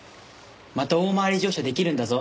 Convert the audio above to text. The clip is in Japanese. また大回り乗車できるんだぞ。